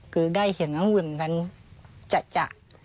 คือได้เห็นอังหวิวเหมือนกันจั๊ะ